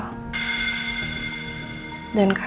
dan karena itu tante rosa juga merangkul dia